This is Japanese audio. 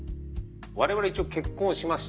我々一応結婚しました。